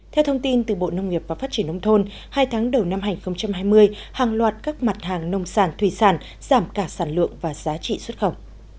theo thông tin từ bộ nông nghiệp và phát triển nông thôn hai tháng đầu năm hai nghìn hai mươi hàng loạt các mặt hàng nông sản thủy sản giảm cả sản lượng và giá trị xuất khẩu